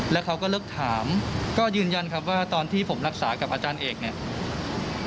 แล้วเขาก็เลิกถามก็ยืนยันครับว่าตอนที่ผมรักษากับอาจารย์เอกเนี่ย